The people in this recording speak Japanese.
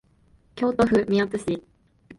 京都府宮津市